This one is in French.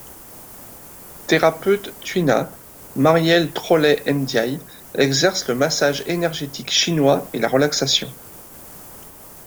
Thérapeute Tui Na, Marielle Trolet Ndiaye exerce le massage énergétique chinois et la relaxation.